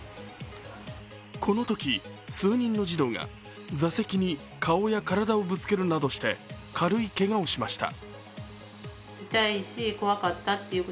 このとき、数人の児童が座席に顔や体をぶつけるなどして軽いけがをしました。